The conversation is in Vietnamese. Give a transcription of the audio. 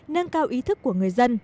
nâng cao ý thức của người dân